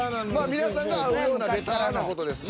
皆さんが合うようなベタな事ですね。